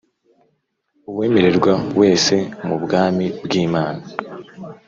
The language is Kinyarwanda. uwemerwa wesemu bwami bw'imana